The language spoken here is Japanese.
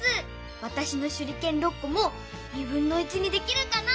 わたしのしゅりけん６こもにできるかな？